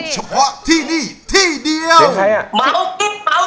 เฉพาะที่นี่ที่เดียว